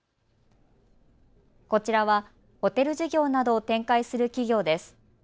こちらはホテル事業などを展開する企業です。